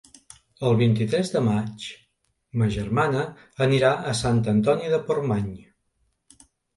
El vint-i-tres de maig ma germana anirà a Sant Antoni de Portmany.